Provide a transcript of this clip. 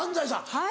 はい。